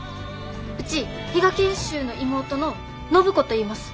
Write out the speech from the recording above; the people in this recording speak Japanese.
うち比嘉賢秀の妹の暢子といいます。